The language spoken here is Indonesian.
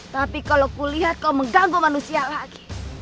tapi kalau kulihat kau mengganggu manusia lagi